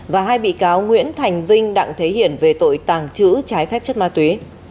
và hai bị cáo nguyễn thành vinh đặng thể hiện về tội tàng trữ trái phép chất ma tuế